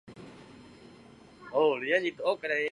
奉圣都虞候王景以所部投降石敬瑭。